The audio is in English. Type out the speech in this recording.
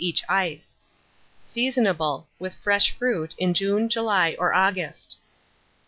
each ice. Seasonable, with fresh fruit, in June, July, and August.